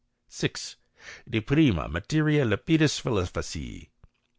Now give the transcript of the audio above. De prima Materia Lapidis PhiloSophioi« 7.